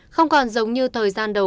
không còn giống như thời gian đầu